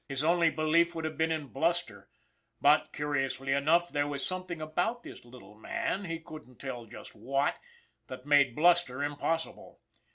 His only belief would have been in bluster; but, curiously enough, there was something about this little man, he couldn't tell just what, that made bluster impossible.